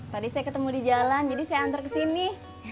tadi saya ketemu di jalan jadi saya antar ke sini